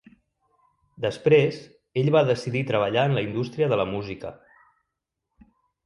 Després, ell va decidir treballar en la indústria de la música.